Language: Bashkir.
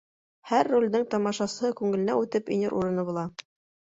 Һәр ролдең тамашасы күңеленә үтеп инер урыны була.